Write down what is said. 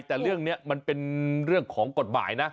แต่เรื่องนี้มันเป็นเรื่องของกฎหมายนะ